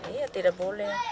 iya tidak boleh